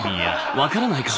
分からないから。